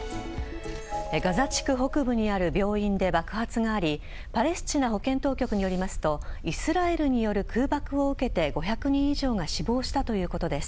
ガザ地区北部にある病院で爆発がありパレスチナ保健当局によりますとイスラエル軍による空爆を受けて５００人以上が死亡したということです。